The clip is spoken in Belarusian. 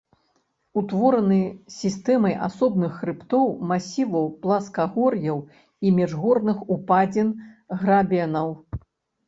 Утвораны сістэмай асобных хрыбтоў, масіваў, пласкагор'яў і міжгорных упадзін-грабенаў.